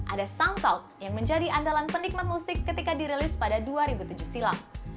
ada soundcloud yang menjadi andalan penikmat musik ketika dirilis pada dua ribu tujuh silam